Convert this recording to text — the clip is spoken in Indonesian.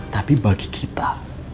tapi bagi kita